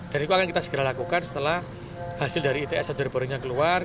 dan itu akan kita lakukan setelah hasil dari its sudah borinya keluar